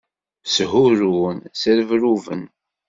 Shurun, srebruben.